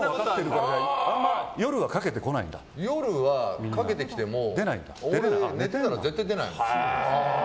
夜はかけてきても俺寝てたら絶対出ないもん。